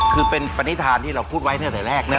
คือเป็นประนิษฐานที่เราพูดไว้ตั้งแต่แรกนะครับ